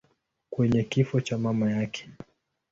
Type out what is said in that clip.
kwenye kifo cha mama yake.